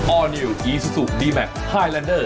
อร์นิวอีซูซูดีแมคไฮแลนเดอร์